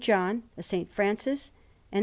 John, a S. Francis, and a S.